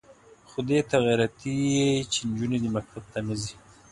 خو دې ته غیرتي یې چې نجونې دې مکتب ته نه ځي.